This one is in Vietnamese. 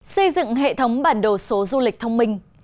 xây dựng hệ thống bản đồ số du lịch thông minh